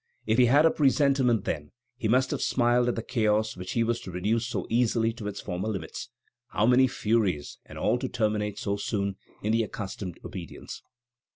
If he had a presentiment then, he must have smiled at the chaos which he was to reduce so easily to its former limits. How many furies, and all to terminate so soon in the accustomed obedience!"